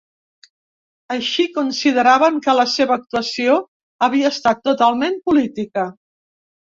Així, consideraven que la seva actuació havia estat totalment política.